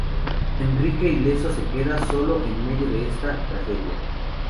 Enrique, ileso, se queda solo en medio de esta tragedia.